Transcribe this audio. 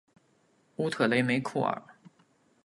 乌特雷梅库尔。